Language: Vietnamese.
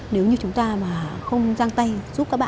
nếu như chúng ta mà không giang tay giúp các bạn